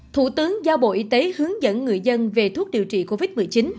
thủ tướng giao bộ y tế hướng dẫn người dân về thuốc điều trị covid một mươi chín